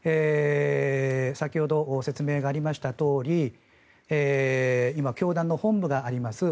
先ほど説明がありましたとおり今、教団の本部があります